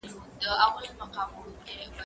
کالي د مور له خوا وچول کيږي!!